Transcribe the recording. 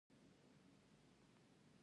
کابل د افغانستان د اقلیم ځانګړتیا ده.